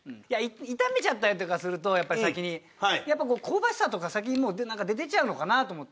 炒めちゃったりとかするとやっぱり先に香ばしさとか先に出ちゃうのかなと思って。